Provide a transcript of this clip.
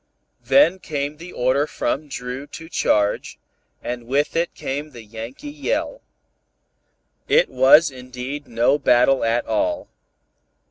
Then came the order from Dru to charge, and with it came the Yankee yell. It was indeed no battle at all.